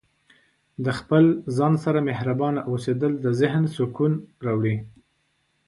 د خپل ځان سره مهربانه اوسیدل د ذهن سکون راوړي.